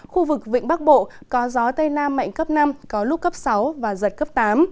khu vực vịnh bắc bộ có gió tây nam mạnh cấp năm có lúc cấp sáu và giật cấp tám